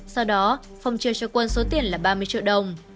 sau đó phong chia cho quân số tiền là ba mươi triệu đồng